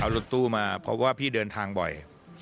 เอารถตู้มาเพราะว่าพี่เดินทางบ่อย